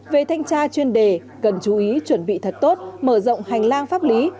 về thanh tra chuyên đề cần chú ý chuẩn bị thật tốt mở rộng hành lang pháp lý